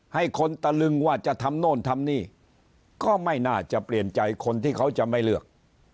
ให้คนตะลึงว่าจะทำโน่นทำนี่ก็ไม่น่าจะเปลี่ยนใจคนที่เขาจะไม่เลือก